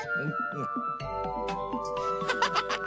ハッハハハハ！